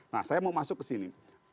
nah saya mau masuk ke sini